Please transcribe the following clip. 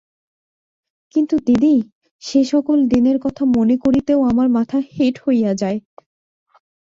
কিন্তু দিদি, সে-সকল দিনের কথা মনে করিতেও আমার মাথা হেঁট হইয়া যায়।